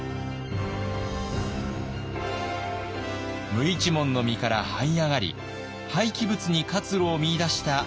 無一文の身からはい上がり廃棄物に活路を見いだした浅野。